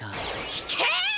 聞け！